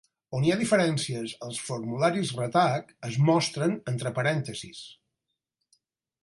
On hi ha diferències als formularis Ratak, es mostren entre parèntesis.